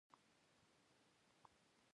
انګرېزانو ډېر زیات کنټرول ترلاسه کړی وو.